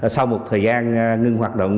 sau một thời gian ngưng hoạt động